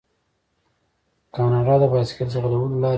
کاناډا د بایسکل ځغلولو لارې جوړوي.